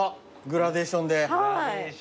グラデーションで。